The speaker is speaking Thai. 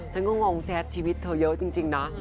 ฉันก็งงแจ๊ดชีวิตเธอเยอะจริงนะ